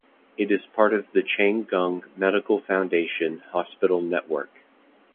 It is part of the Chang Gung Medical Foundation hospital network.